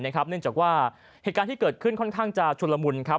เนื่องจากว่าเหตุการณ์ที่เกิดขึ้นค่อนข้างจะชุนละมุนครับ